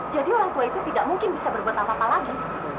jadi orang tua itu tidak mungkin bisa berbuat apa apa lagi